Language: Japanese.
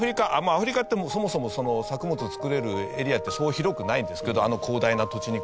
アフリカってそもそも作物を作れるエリアってそう広くないんですけどあの広大な土地に比べると。